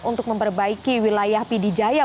untuk memperbaiki wilayah pd jaya